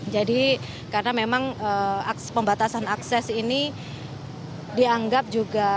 jadi karena memang akses pembatasan akses ini dianggap juga